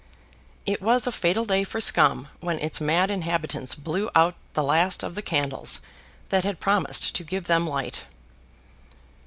It was a fatal day for Scum when its mad inhabitants blew out the last of the candles that had promised to give them light.